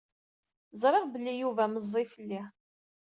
Ẓṛiɣ belli Yuba meẓẓi fell-i.